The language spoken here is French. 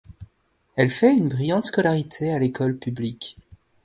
Elle fait une brillante scolarité à l'école publique.